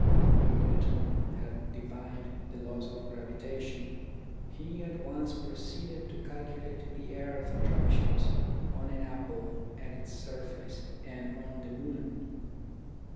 When Newton TECHNICAL EDUCATION 45 had divined the law of gravitation he at once proceeded to calculate the earth's attractions on an apple at its surface and on the moon.